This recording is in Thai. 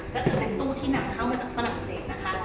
ก็คือเป็นตู้ที่นำเข้ามาจากฝรั่งเศสนะคะ